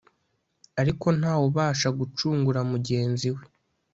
Ariko nta wubasha gucungura mugenzi we